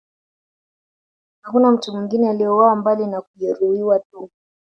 Hakuna mtu mwingine aliyeuawa mbali na kujeruhiwa tu